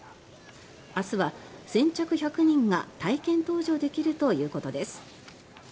明日は先着１００人が体験搭乗できるということです。